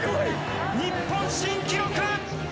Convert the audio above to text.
日本新記録！